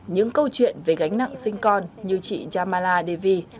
những câu chuyện về gánh nặng sinh con như chị jamala devi